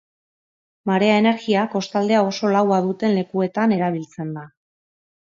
Marea-energia kostaldea oso laua duten lekuetan erabiltzen da.